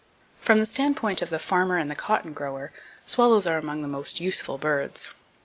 From the standpoint of the farmer and the cotton grower, swallows are among the most useful birds.